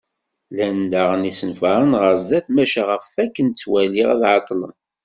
Llan daɣen yisenfaren ɣer sdat, maca ɣef wakken ttwaliɣ ad ɛeṭṭlen.